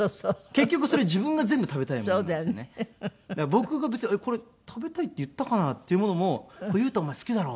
僕が別にこれ食べたいって言ったかな？っていうものも「これ裕太お前好きだろ。